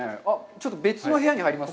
ちょっと別の部屋に入ります。